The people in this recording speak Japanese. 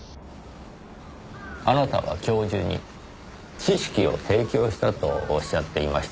あなたは教授に知識を提供したとおっしゃっていましたね。